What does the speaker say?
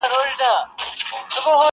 یوازي په خپل ځان به سې شهید او غازي دواړه!